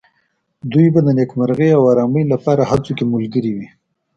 دوی به د نېکمرغۍ او آرامۍ لپاره هڅو کې ملګري وي.